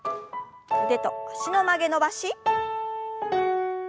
腕と脚の曲げ伸ばし。